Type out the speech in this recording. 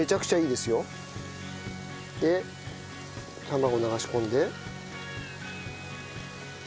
で卵流し込んで。